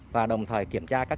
và đồng thời kiểm tra các